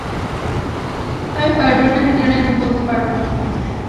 আমি বারবার নায়না নায়না বলতে পারবো না।